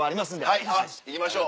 はい行きましょう。